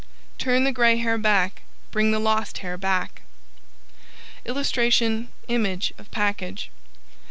Turn the Gray Hair Back Bring the Lost Hair Back [Illustration: Image of package.